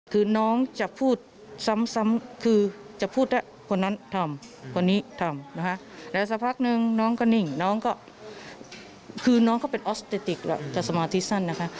คือน้องจะพูดซ้ำคือจะพูดว่าคนนั้นทำคนนี้ทำนะคะแล้วสักพักนึงน้องก็นิ่งน้องก็คือน้องเขาเป็นออสเตติกแล้วจะสมาธิสั้นนะคะ